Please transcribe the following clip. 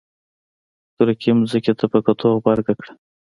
سورکي ځمکې ته په کتو غبرګه کړه.